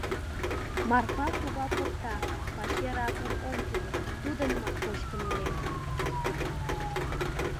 Марпа кува покта — пачер акым ом тӱлӧ, тудынымак кочкын илем.